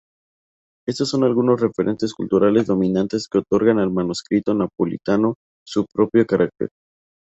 Estos son algunos referentes culturales dominantes que otorgan al manuscrito napolitano su propio carácter.